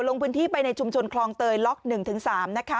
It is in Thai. ลงพื้นที่ไปในชุมชนคลองเตยล็อก๑๓นะคะ